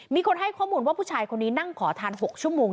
มีคนให้ข้อมูลว่าผู้ชายคนนี้นั่งขอทาน๖ชั่วโมง